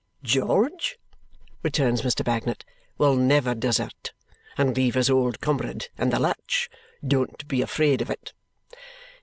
"George," returns Mr. Bagnet, "will never desert. And leave his old comrade. In the lurch. Don't be afraid of it."